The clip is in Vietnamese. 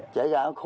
chảy ra nó khô